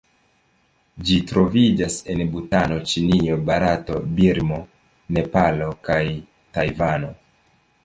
Ĝi troviĝas en Butano, Ĉinio, Barato, Birmo, Nepalo kaj Tajvano.